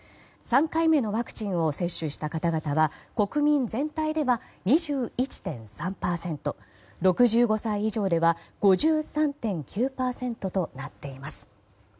３回目のワクチンを接種した方々は国民全体では２１．３％６５歳以上では５３．９％となっています。